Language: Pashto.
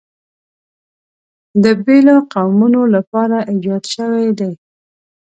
د بېلو قومونو لپاره ایجاد شوي دي.